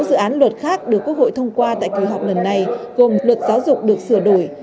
sáu dự án luật khác được quốc hội thông qua tại kỳ họp lần này gồm luật giáo dục được sửa đổi